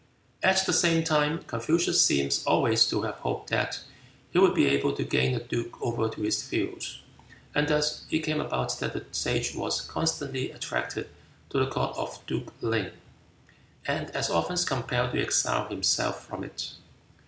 At the same time Confucius seems always to have hoped that he would be able to gain the duke over to his views; and thus it came about that the Sage was constantly attracted to the court of Duke Ling, and as often compelled to exile himself from it.